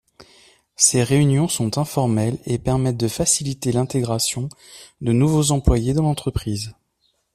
Ces réunions sont informelles et permettent de faciliter l’intégration de nouveaux employés dans l’entreprise.